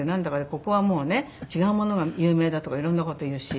「ここはもうね違うものが有名だ」とかいろんな事言うし。